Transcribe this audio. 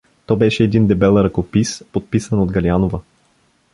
То беше един дебел ръкопис, подписан от Галианова.